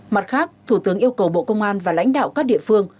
mặt khác thủ tướng yêu cầu bộ công an và lãnh đạo các địa phương